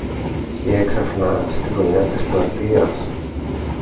Κι έξαφνα, στη γωνιά της πλατείας